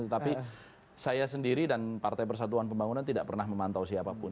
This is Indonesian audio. tetapi saya sendiri dan partai persatuan pembangunan tidak pernah memantau siapapun